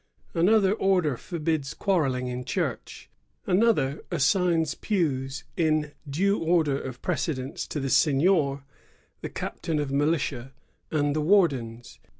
Another order forbids quarrelling in church. Another assigns pews in due order of pre cedence to the seignior, the captain of militia, and the wardens.